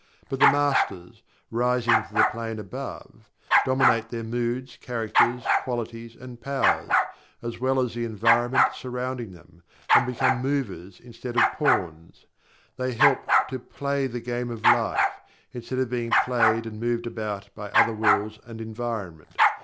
But the Masters, rising to the plane above, dominate their moods, characters, qualities, and powers, as well as the environment surrounding them, and become Movers instead of pawns. They help to PLAY THE GAME OF LIFE, instead of being played and moved about by other wills and environment.